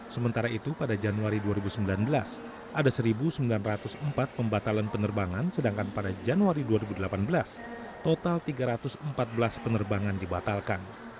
sementara itu pada januari dua ribu sembilan belas ada satu sembilan ratus empat pembatalan penerbangan sedangkan pada januari dua ribu delapan belas total tiga ratus empat belas penerbangan dibatalkan